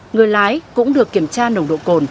người lái cũng được kiểm tra nồng độ cồn